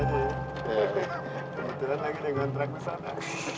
kebetulan lagi di kontraku sana